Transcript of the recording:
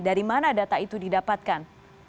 dari mana data itu didapatkan